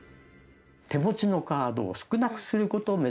手持ちのカードを少なくすることを目指す。